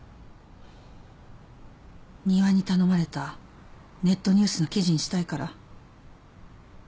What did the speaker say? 仁和に頼まれたネットニュースの記事にしたいから？